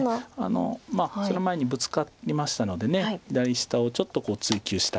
まあその前にブツカりましたので左下をちょっと追及したいという。